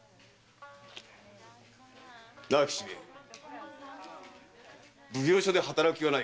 なあ吉兵衛奉行所で働く気はないか？